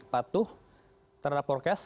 patuh terhadap orkes